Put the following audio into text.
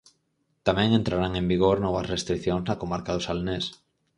Tamén entrarán en vigor novas restricións na comarca do Salnés.